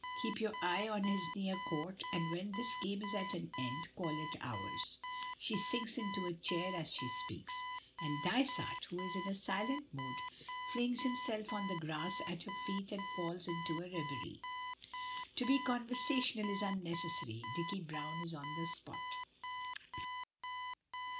Keep your eye on this near court, and when this game is at an end, call it ours;" she sinks into a chair as she speaks, and Dysart, who is in a silent mood, flings himself on the grass at her feet and falls into a reverie. To be conversational is unnecessary, Dicky Browne is on the spot.